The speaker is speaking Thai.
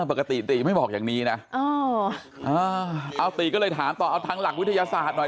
ปกติติยังไม่บอกอย่างนี้นะเอาติก็เลยถามต่อเอาทางหลักวิทยาศาสตร์หน่อย